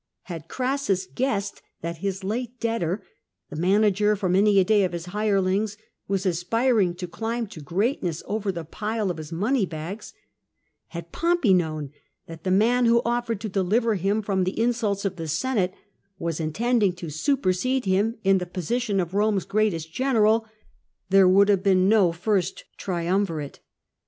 Had Crassus guessed that his late debtor, the manager for many a day of his hirelings, was aspiring to climb to greatness over the pile of his money bags — had Pompey known that the man who offered to deliver him from the insults of the Senate, was intending to supersede him in the position of Home's greatest general, there would have been no First Triumvirate.